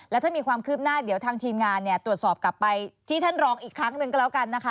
แล้วถ้ามีความคืบหน้าเดี๋ยวทางทีมงานเนี่ยตรวจสอบกลับไปที่ท่านรองอีกครั้งหนึ่งก็แล้วกันนะคะ